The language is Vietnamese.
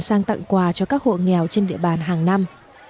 sang tặng quà cho các hộ nghèo trên địa bàn hàng năm